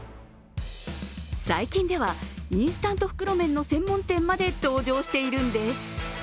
最近では、インスタント袋麺の専門店まで登場しているんです。